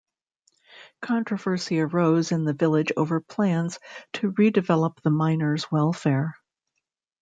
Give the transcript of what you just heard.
Controversy arose in the village over plans to redevelop the Miners' Welfare.